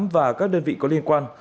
và các đơn vị có liên quan